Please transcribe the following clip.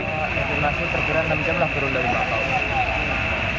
estimasi perkiraan enam jam lah kurun dari lima tahun